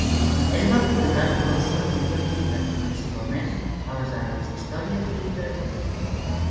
Ell va publicar nombrosos articles i llibres, principalment en les àrees d'història i literatura.